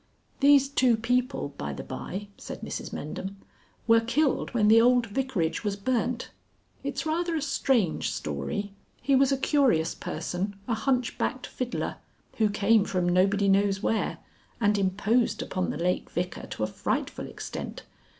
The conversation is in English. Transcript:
"These two people, by the bye," said Mrs Mendham, "were killed when the old Vicarage was burnt. It's rather a strange story. He was a curious person, a hunchbacked fiddler, who came from nobody knows where, and imposed upon the late Vicar to a frightful extent.